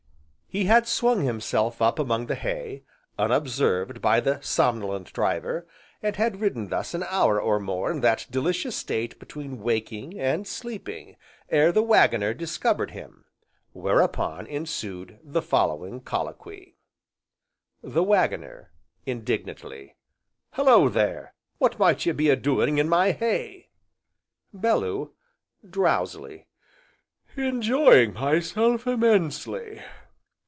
He had swung himself up among the hay, unobserved by the somnolent driver, and had ridden thus an hour or more in that delicious state between waking, and sleeping, ere the waggoner discovered him, whereupon ensued the following colloquy: THE WAGGONER. (Indignantly) Hallo there! what might you be a doing of in my hay? BELLEW. (Drowsily) Enjoying myself immensely.